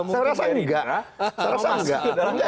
saya rasa tidak